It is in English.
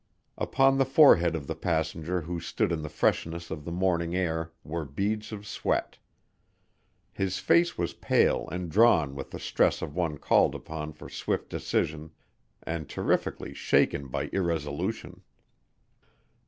Upon the forehead of the passenger who stood in the freshness of the morning air were beads of sweat. His face was pale and drawn with the stress of one called upon for swift decision and terrifically shaken by irresolution.